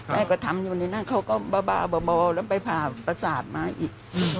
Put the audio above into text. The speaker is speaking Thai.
แม่ก็ทำอยู่ในนั้นเขาก็บ้าแล้วไปผ่าประสาทมาอีก